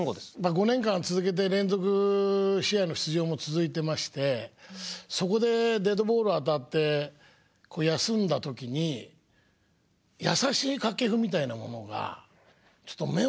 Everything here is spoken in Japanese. ５年間続けて連続試合の出場も続いてましてそこでデッドボール当たって休んだ時に優しい掛布みたいなものがちょっと目を覚ますんですよね。